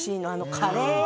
カレー。